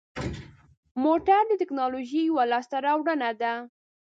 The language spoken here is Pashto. موټر د تکنالوژۍ یوه لاسته راوړنه ده.